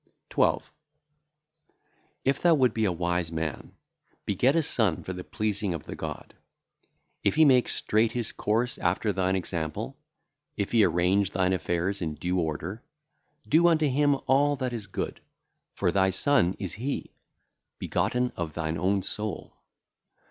12. If thou wouldest be a wise man, beget a son for the pleasing of the God. If he make straight his course after thine example, if he arrange thine affairs in due order, do unto him all that is good, for thy son is he, begotten of thine own soul.